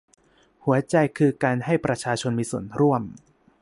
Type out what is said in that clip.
หัวใจคือการให้ประชาชนมีส่วนร่วม